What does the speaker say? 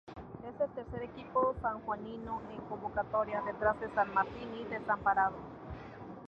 Es el tercer equipo sanjuanino en convocatoria, detrás de San Martín y Desamparados.